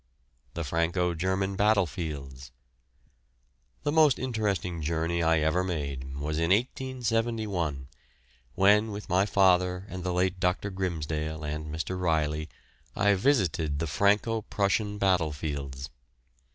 THE FRANCO GERMAN BATTLEFIELDS. The most interesting journey I ever made was in 1871, when with my father and the late Dr. Grimsdale and Mr. Ryley I visited the Franco Prussian battlefields.